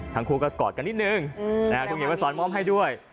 ทั้งคู่ก็กอดกันนิดนึงคุณเขียนมาสอนมอบให้ด้วย